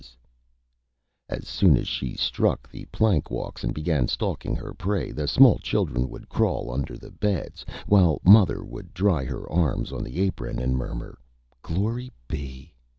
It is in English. [Illustration: THE BROAD GIRL] As soon as she struck the Plank Walks, and began stalking her prey, the small Children would crawl under the Beds, while Mother would dry her Arms on the Apron, and murmur, "Glory be!"